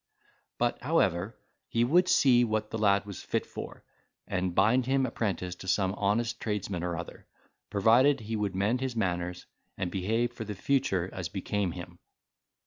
But, however, he would see what the lad was fit for, and bind him apprentice to some honest tradesman or other, provided he would mend his manners, and behave for the future as became him.